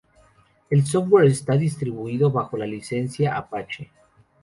El software es distribuido bajo la licencia Apache.